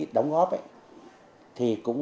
đóng góp ấy thì cũng